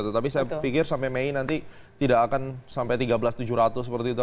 tetapi saya pikir sampai mei nanti tidak akan sampai tiga belas tujuh ratus seperti itu